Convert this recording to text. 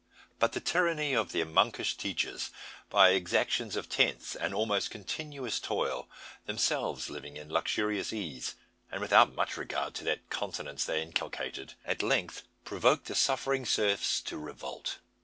But the tyranny of their monkish teachers by exactions of tenths and almost continuous toil themselves living in luxurious ease, and without much regard to that continence they inculcated at length provoked the suffering serfs to revolt.